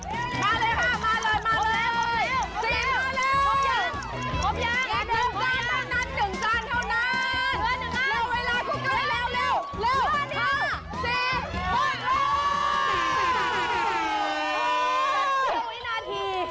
มาเลยค่ะมาเลย